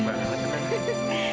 wah ikannya gini banget